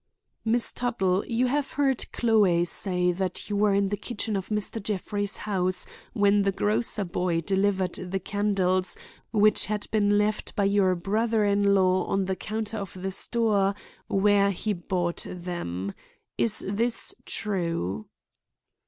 "Miss Tuttle, you have heard Chloe say that you were in the kitchen of Mr. Jeffrey's house when the grocer boy delivered the candles which had been left by your brother in law on the counter of the store where he bought them. Is this true?"